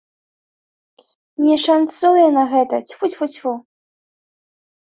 Мне шанцуе на гэта, цьфу-цьфу-цьфу.